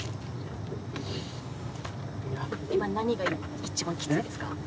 今、何が一番きついですか？